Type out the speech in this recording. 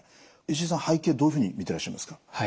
石井さん背景どういうふうに見てらっしゃいますか？